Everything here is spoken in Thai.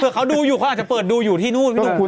เผื่อเขาดูอยู่เขาอาจจะเปิดดูอยู่ที่นู่น